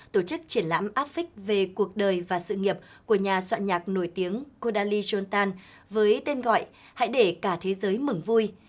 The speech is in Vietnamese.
tổ chức triển lãm áp vích về cuộc đời và sự nghiệp của nhà soạn nhạc nổi tiếng kodali johntan với tên gọi hãy để cả thế giới mừng vui